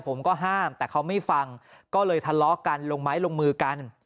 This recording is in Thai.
ผมก็ห้ามแต่เขาไม่ฟังก็เลยทะเลาะกันลงไม้ลงมือกัน